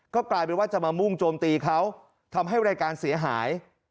ก็กลายเป็นว่าจะมามุ่งโจมตีเขาทำให้รายการเสียหาย